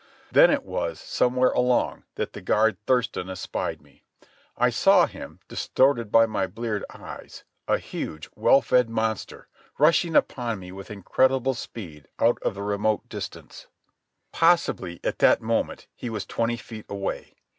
Then it was, somewhere along, that the guard Thurston espied me. I saw him, distorted by my bleared eyes, a huge, well fed monster, rushing upon me with incredible speed out of the remote distance. Possibly, at that moment, he was twenty feet away.